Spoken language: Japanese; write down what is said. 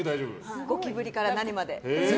ゴキブリから何まで。